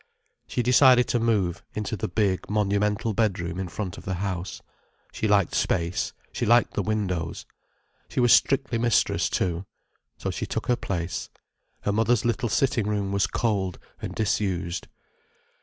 She decided to move into the big, monumental bedroom in front of the house. She liked space, she liked the windows. She was strictly mistress, too. So she took her place. Her mother's little sitting room was cold and disused.